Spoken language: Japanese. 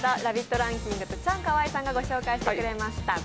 ランキングとチャンカワイさんがご紹介してくれました